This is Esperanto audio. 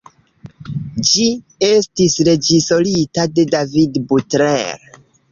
Ĝi estis reĝisorita de David Butler.